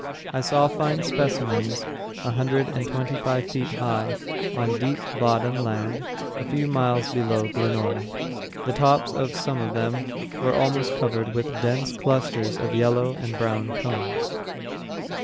I saw fine specimens a hundred and twenty five feet high on deep bottom land a few miles below Glenora. The tops of some of them were almost covered with dense clusters of yellow and brown cones.